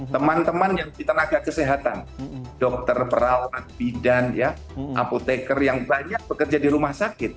teman teman yang di tenaga kesehatan dokter perawat bidan apoteker yang banyak bekerja di rumah sakit